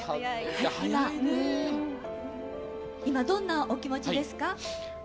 今どんなお気持ちですか？